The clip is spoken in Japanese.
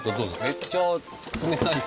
めっちゃ冷たいですよ。